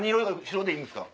白でいいですか？